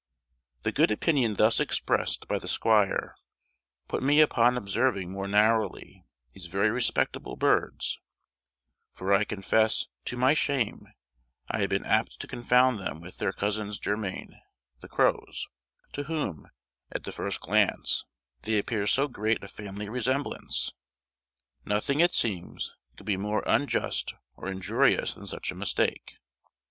The good opinion thus expressed by the squire put me upon observing more narrowly these very respectable birds; for I confess, to my shame, I had been apt to confound them with their cousins german the crows, to whom, at the first glance, they bear so great a family resemblance. Nothing, it seems, could be more unjust or injurious than such a mistake.